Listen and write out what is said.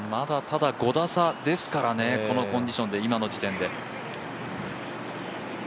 ただ、５打差ですからね、このコンディションで、今の時点で。